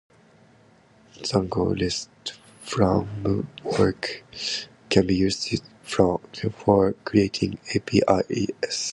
Django Rest Framework can be used for creating A. P. I.'s.